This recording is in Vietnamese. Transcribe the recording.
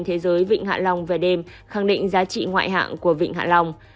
thế giới vịnh hạ long về đêm khẳng định giá trị ngoại hạng của vịnh hạ long